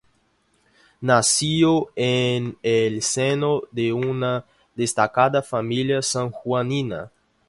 Nació en el seno de una destacada familia sanjuanina.